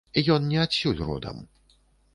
Ён не адсюль родам.